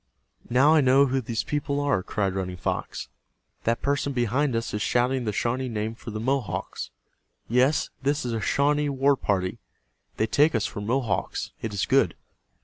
"Now I know who these people are," cried Running Fox. "That person behind us is shouting the Shawnee name for the Mohawks. Yes, this is a Shawnee war party. They take us for Mohawks. It is good."